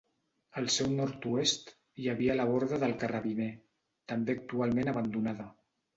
Al seu nord-oest hi havia la Borda del Carrabiner, també actualment abandonada.